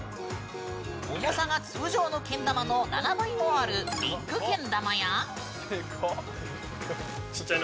重さが通常のけん玉の７倍もあるビッグけん玉や。